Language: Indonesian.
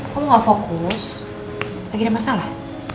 kamu gak fokus lagi ada masalah